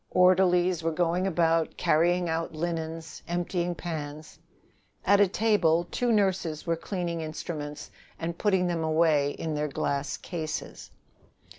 Orderlies were going about, carrying out linens, emptying pans. At a table two nurses were cleaning instruments and putting them away in their glass cases.